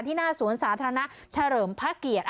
หน้าสวนสาธารณะเฉลิมพระเกียรติ